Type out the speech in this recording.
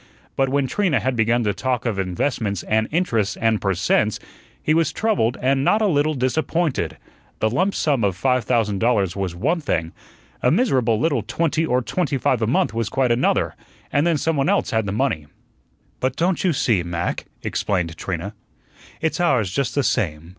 But when Trina had begun to talk of investments and interests and per cents, he was troubled and not a little disappointed. The lump sum of five thousand dollars was one thing, a miserable little twenty or twenty five a month was quite another; and then someone else had the money. "But don't you see, Mac," explained Trina, "it's ours just the same.